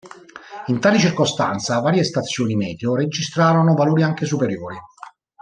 In tale circostanza, varie stazioni meteo registrarono valori anche superiori.